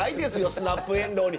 スナップエンドウに」。